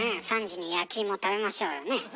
３時に焼き芋食べましょうよねえ？